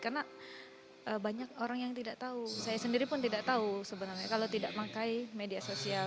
karena banyak orang yang tidak tahu saya sendiri pun tidak tahu sebenarnya kalau tidak memakai media sosial